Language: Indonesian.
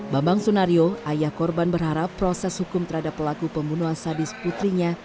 bambang sunario ayah korban berharap proses hukum terhadap pelaku pembunuhan sadis putrinya